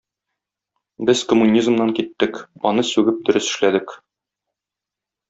Без коммунизмнан киттек, аны сүгеп дөрес эшләдек.